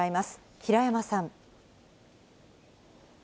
平山さん。